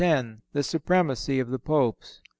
THE SUPREMACY OF THE POPES.